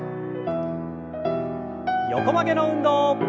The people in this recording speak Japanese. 横曲げの運動。